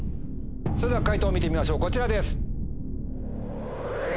それでは解答見てみましょうこちらです。